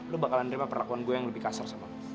lu bakalan nerima perlakuan gue yang lebih kasar sama lu